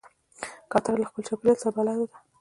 کوتره له خپل چاپېریال سره بلد ده.